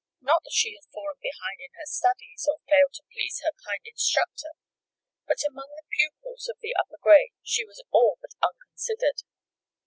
Not that she had fallen behind in her studies, or failed to please her kind instructor; but among the pupils of the upper grade she was all but unconsidered.